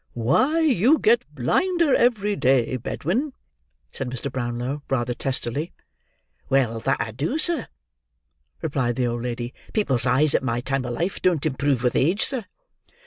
"Why, you get blinder every day, Bedwin," said Mr. Brownlow, rather testily. "Well, that I do, sir," replied the old lady. "People's eyes, at my time of life, don't improve with age, sir."